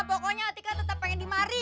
pokoknya atika tetap pengen di mari